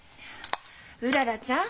うららちゃん。